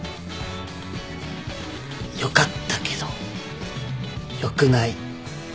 よかったけどよくない。